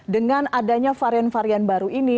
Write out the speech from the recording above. dengan adanya varian varian baru ini